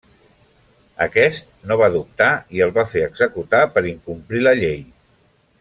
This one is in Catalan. Aquest no va dubtar, i el va fer executar per incomplir la llei.